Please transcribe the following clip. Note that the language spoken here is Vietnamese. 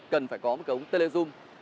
cần phải có một cái ống tele zoom